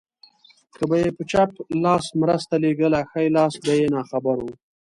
که به يې په چپ لاس مرسته لېږله ښی لاس به يې ناخبره و.